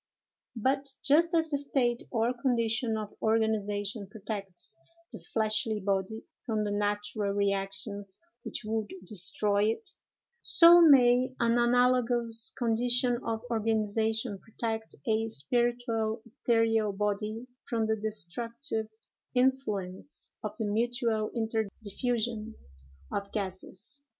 But, just as the state or condition of organization protects the fleshly body from the natural reactions which would destroy it, so may an analogous condition of organization protect a spiritual ethereal body from the destructive influence of the mutual interdiffusion of gases.